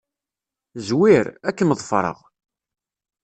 Zwir. Ad kem-ḍefreɣ.